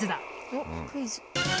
おっクイズ。